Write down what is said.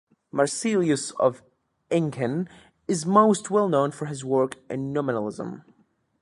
Marsilius of Inghen is most well known for his work in nominalism.